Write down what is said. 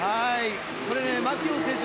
これ、マキュオン選手